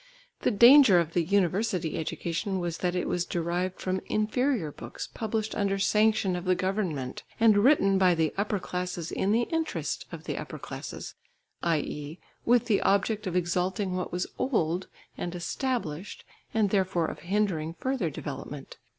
The danger of the university education was that it was derived from inferior books published under sanction of the government, and written by the upper classes in the interest of the upper classes, i.e. with the object of exalting what was old and established, and therefore of hindering further development.